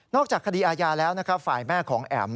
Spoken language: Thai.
นอกจากคดีอาญาแล้วฝ่ายแม่ของแอ๋ม